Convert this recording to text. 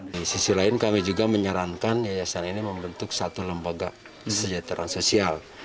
di sisi lain kami juga menyarankan yayasan ini membentuk satu lembaga kesejahteraan sosial